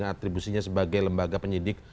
atribusinya sebagai lembaga penyidik